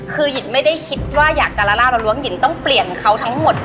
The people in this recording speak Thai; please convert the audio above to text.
คือหญิงไม่ได้คิดว่าอยากจะละล่าละล้วงหยินต้องเปลี่ยนเขาทั้งหมด